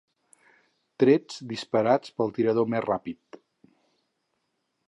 Trets disparats pel tirador més ràpid.